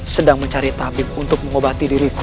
sedang mencari tabim untuk mengobati diriku